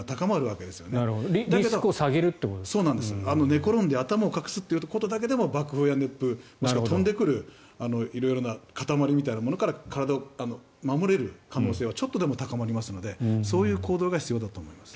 寝転んで頭を隠すことだけでも爆風や熱風、もしくは飛んでくる色々な塊みたいなものから体を守れる可能性はちょっとでも高まりますのでそういう行動が必要だと思います。